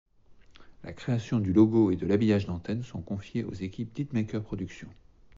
La création du logo et de l'habillage d'antenne sont confiés aux équipes d'Hitmaker Production.